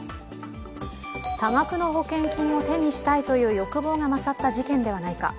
多額の保険金を手にしたいという欲望が勝った事件ではないか。